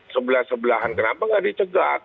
sebelah sebelahan kenapa nggak dicegat